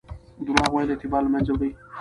درواغ ویل اعتبار له منځه وړي.